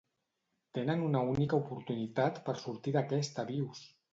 Tenen una única oportunitat per sortir d'aquesta vius!